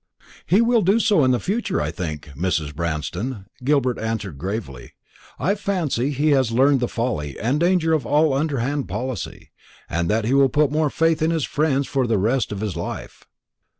"He will do so in future, I think, Mrs. Branston," Gilbert answered gravely. "I fancy he has learned the folly and danger of all underhand policy, and that he will put more faith in his friends for the rest of his life."